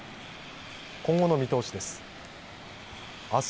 今後の見通しです。